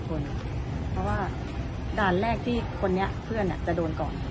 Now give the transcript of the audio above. เพราะว่าด่านแรกที่คนนี้เพื่อนจะโดนก่อน